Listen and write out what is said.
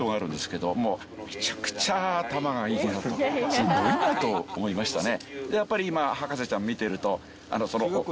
すごいなと思いましたね。